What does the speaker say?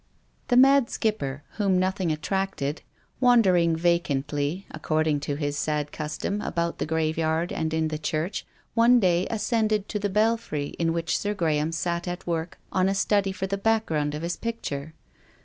The mad Skipper, whom nothing attracted, wandering vacantly, according to his sad custom, about the graveyard and in the church, one day ascended to the belfry, in which Sir Graham sat at work on a study for the background of his picture.